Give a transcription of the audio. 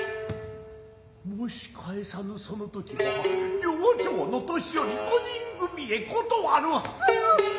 もし返さぬその時は両町の年寄五人組へ断る筈。